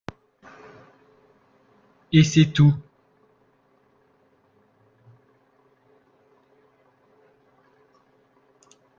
Et c'est tout